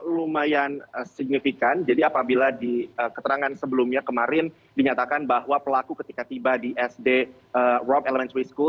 lumayan signifikan jadi apabila di keterangan sebelumnya kemarin dinyatakan bahwa pelaku ketika tiba di sd rob elementary school